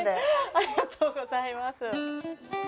ありがとうございます。